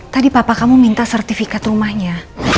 tadi papa kamu minta sertifikat rumahnya